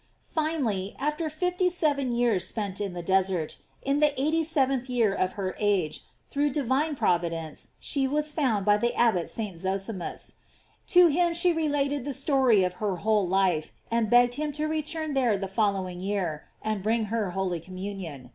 Finally, after fifty seven years spent in the desert, in the eighty seventh of her age, through Divine Providence, she was found by the abbot St. Zosimus. To him she related the story of her whole life, and begged him to return there the following year, and bring her holy communion.